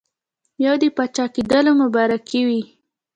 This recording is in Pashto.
یو د پاچاکېدلو مبارکي وي.